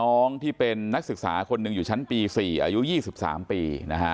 น้องที่เป็นนักศึกษาคนหนึ่งอยู่ชั้นปี๔อายุ๒๓ปีนะฮะ